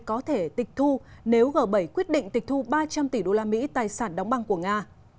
có thể tịch thu nếu g bảy quyết định tịch thu ba trăm linh tỷ đô la mỹ tài sản đóng băng của nga